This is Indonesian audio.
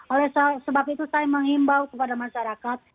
oleh sebab itu saya menghimbau kepada masyarakat